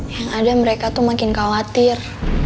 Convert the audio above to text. yang ada mereka tuh makin khawatir